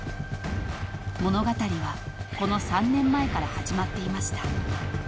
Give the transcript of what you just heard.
［物語はこの３年前から始まっていました］